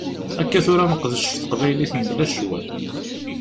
Akka tura ad neqdec ɣef teqbaylit mebla ccwal.